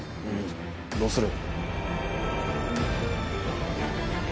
どうする？